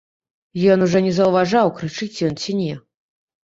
Ён ужо не заўважаў, крычыць ён ці не.